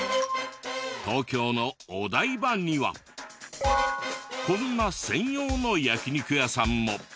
東京のお台場にはこんな専用の焼肉屋さんも。